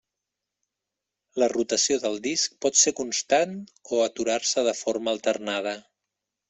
La rotació del disc pot ser constant o aturar-se de forma alternada.